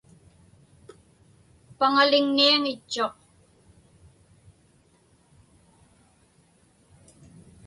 Paŋaliŋniaŋitchuq.